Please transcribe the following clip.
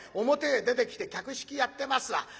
表へ出てきて客引きやってますわ。